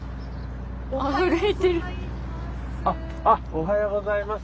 おはようございます。